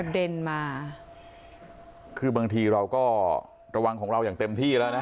เด็นมาคือบางทีเราก็ระวังของเราอย่างเต็มที่แล้วนะ